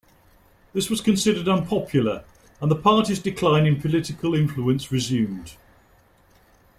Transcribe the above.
This was considered unpopular, and party's decline in political influence resumed.